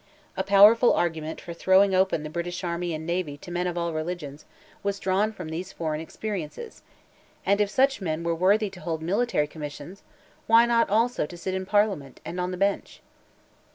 A powerful argument for throwing open the British army and navy to men of all religions, was drawn from these foreign experiences; and, if such men were worthy to hold military commissions, why not also to sit in Parliament, and on the Bench?